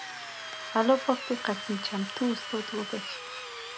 اللهٔ پاک د قسيم چمتو استاد وبښي